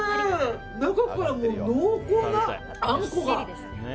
中からも濃厚なあんこが。